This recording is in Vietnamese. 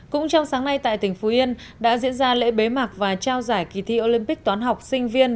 cũng trong sáng nay tại tp hcm đã diễn ra lễ bế mạc và trao giải kỳ thi olympic toán học sinh viên